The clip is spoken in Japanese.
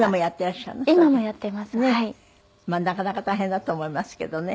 まあなかなか大変だと思いますけどね。